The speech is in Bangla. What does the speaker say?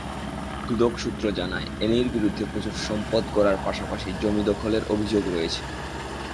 দুদক সূত্র জানায়, এ্যানির বিরুদ্ধে প্রচুর সম্পদ গড়ার পাশাপাশি জমি দখলের অভিযোগ রয়েছে।